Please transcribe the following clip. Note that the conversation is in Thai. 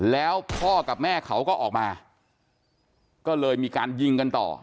แล้วพ่อกับแม่เขาก็ออกมาก็เลยมีการยิงกันต่อ